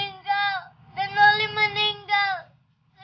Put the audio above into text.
ibu udah selalu cari kamu